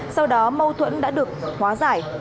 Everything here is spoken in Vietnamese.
sau đó mâu thuẫn đã được hóa giải